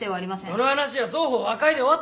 その話は双方和解で終わってんだろ。